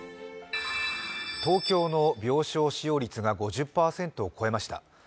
東京の病床使用率が５０％を超えました。